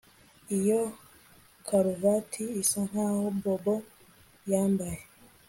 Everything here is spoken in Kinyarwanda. Iyo karuvati isa nkaho Bobo yambaye